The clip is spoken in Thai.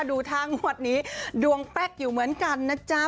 ดูท่างวดนี้ดวงแป๊กอยู่เหมือนกันนะจ๊ะ